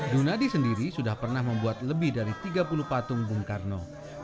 dunadi sendiri sudah pernah membuat lebih dari tiga puluh patung bung karno